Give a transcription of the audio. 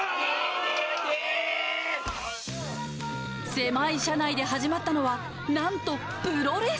狭い車内で始まったのは、なんとプロレス。